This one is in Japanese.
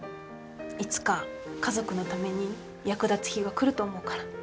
いつか家族のために役立つ日が来ると思うから。